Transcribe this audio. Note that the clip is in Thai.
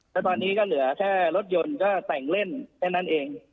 แล้วตอนนี้ก็เหลือแค่รถยนต์ก็แต่งเล่นแค่นั้นเอง